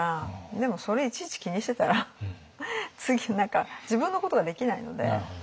でもそれいちいち気にしてたら次何か自分のことができないので。